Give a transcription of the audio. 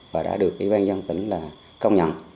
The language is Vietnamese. và đã được ủy ban dân tỉnh là công nhận